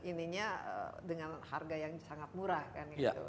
ini dengan harga yang sangat murah kan